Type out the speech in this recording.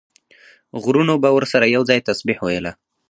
غرونو به ورسره یو ځای تسبیح ویله.